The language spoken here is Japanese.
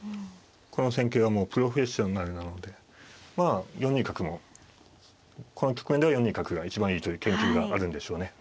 この戦型はもうプロフェッショナルなのでまあ４二角もこの局面では４二角が一番いいという研究があるんでしょうね。